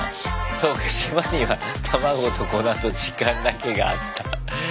そうか島には卵と粉と時間だけがあった。